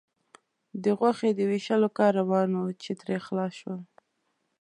د غوښې د وېشلو کار روان و، چې ترې خلاص شول.